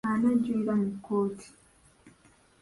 Ani ajulira mu kkooti?